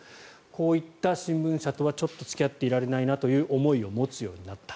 こういった新聞社とはちょっと付き合っていられないなという思いを持つようになった。